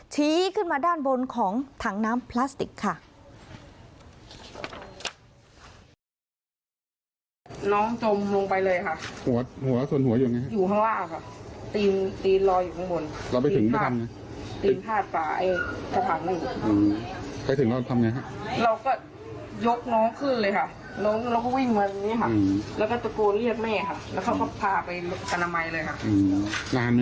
ชี้ขึ้นมาด้านบนของถังน้ำพลาสติกค่ะ